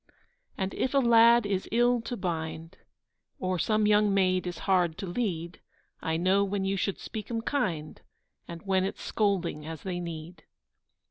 And if a lad is ill to bind, Or some young maid is hard to lead, I know when you should speak 'em kind, And when it's scolding as they need.